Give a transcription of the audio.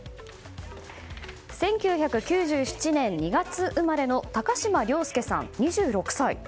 １９９７年２月生まれの高島崚輔さん、２６歳。